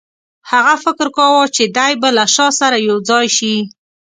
هغه فکر کاوه چې دی به له شاه سره یو ځای شي.